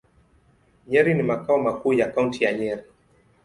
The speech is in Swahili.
Nyeri ni makao makuu ya Kaunti ya Nyeri.